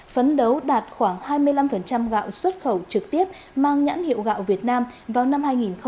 phấn đấu đạt khoảng hai mươi năm gạo xuất khẩu trực tiếp mang nhãn hiệu gạo việt nam vào năm hai nghìn ba mươi